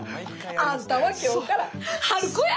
あんたは今日から春子や！